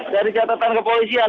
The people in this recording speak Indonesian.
dari catatan kepolisian